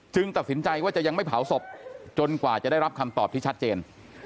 ตัดสินใจว่าจะยังไม่เผาศพจนกว่าจะได้รับคำตอบที่ชัดเจน